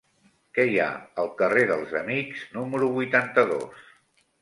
Què hi ha al carrer dels Amics número vuitanta-dos?